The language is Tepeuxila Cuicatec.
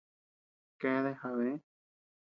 Keadea jabee.